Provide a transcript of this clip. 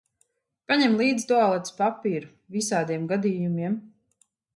Paņem līdzi tualetes papīru, visādiem gadījumiem.